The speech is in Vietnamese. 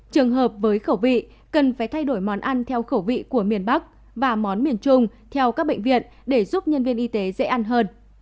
trường hợp với khẩu vị cần phải thay đổi món ăn theo khẩu vị của miền bắc và món miền trung theo các bệnh viện để giúp nhân viên y tế dễ ăn hơn